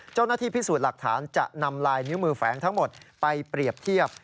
เจ้าหน้าที่พิสูจน์หลักฐานจะนำลายนิ้วมือแฝงทั้งหมดไปเปรียบเทียบ